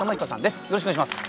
よろしくお願いします。